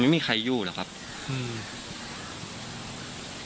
เดี๋ยวมันไม่รู้อยู่นะครับคนของเราแหละ